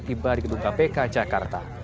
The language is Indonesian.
tiba di gedung kpk jakarta